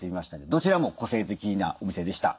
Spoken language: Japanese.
どちらも個性的なお店でした。